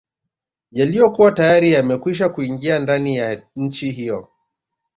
Yaliyokuwa tayari yamekwisha kuingia ndani ya nchi hiyo